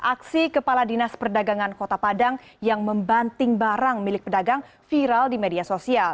aksi kepala dinas perdagangan kota padang yang membanting barang milik pedagang viral di media sosial